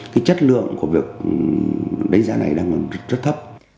cái chất lượng của việc đánh giá này đang là rất thấp